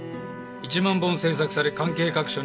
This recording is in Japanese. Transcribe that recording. １万本制作され関係各所に配られた。